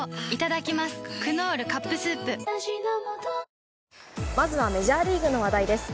メロメロまずはメジャーリーグの話題です。